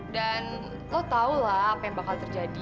dan lo tau lah apa yang bakal terjadi